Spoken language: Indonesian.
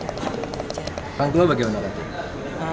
orang tua bagaimana